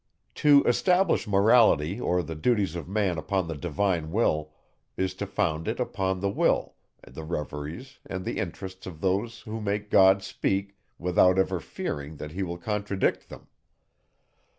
To establish Morality or the duties of man upon the divine will, is to found it upon the will, the reveries and the interests of those, who make God speak, without ever fearing that he will contradict them.